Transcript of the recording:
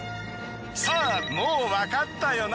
さあもうわかったよな？